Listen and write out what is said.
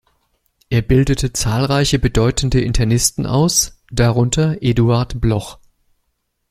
Er bildete zahlreiche bedeutende Internisten aus, darunter Eduard Bloch.